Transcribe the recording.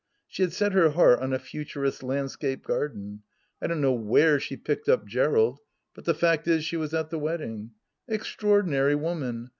She had set her heart on a Futurist landscape garden. I don't know where she picked up Gerald, but the fact is, she was at the wedding. Extraordinary woman